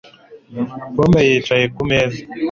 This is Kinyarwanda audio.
Pome yicaye kumeza